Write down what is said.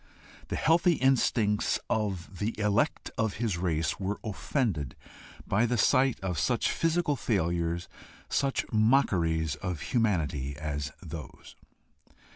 The healthy instincts of the elect of his race were offended by the sight of such physical failures, such mockeries of humanity as those.